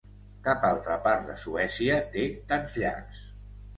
Cap altra part de Suècia té tants llacs.